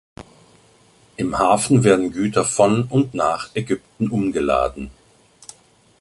Im Hafen werden Güter von und nach Ägypten umgeladen.